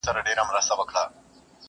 o زاړه، په خواړه!